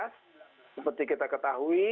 seperti kita ketahui